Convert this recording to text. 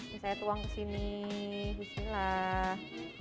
ini saya tuang kesini bismillah